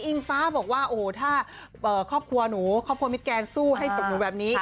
ฟ้าบอกว่าโอ้โหถ้าครอบครัวหนูครอบครัวมิแกนสู้ให้กับหนูแบบนี้